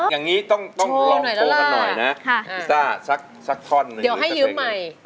อย่างนี้ต้องลองโปร่งหน่อยนะฟิสตาร์ทสักท่อนหนึ่งหรือสักเทปหนึ่งเดี๋ยวให้ยื้อใหม่